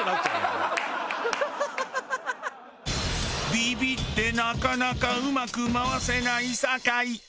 ビビってなかなかうまく回せない酒井。